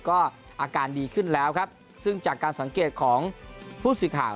ก็อาการดีขึ้นแล้วครับซึ่งจากการสังเกตของผู้สื่อข่าว